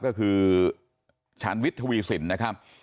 ก็คือชานวิทย์เทศีย์สินทร์นะครับ